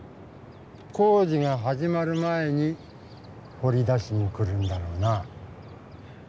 工事が始まる前にほり出しに来るんだろうな。